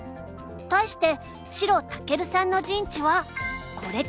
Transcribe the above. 対して白威さんの陣地はこれくらいだよ。